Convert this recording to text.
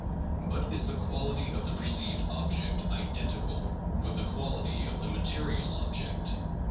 But is the quality of the perceived object identical with the quality of the material object?